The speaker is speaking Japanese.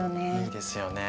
いいですよね。